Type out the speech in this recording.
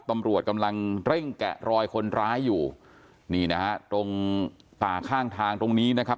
ตำรวจกำลังเร่งแกะรอยคนร้ายอยู่นี่นะฮะตรงป่าข้างทางตรงนี้นะครับ